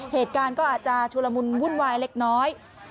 เหตุการณ์ก็อาจจะชุลมุนวุ่นวายเล็กน้อย